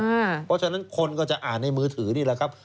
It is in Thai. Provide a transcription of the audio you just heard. เพราะฉะนั้นคนก็จะอ่านในมือถือนี่แหละครับ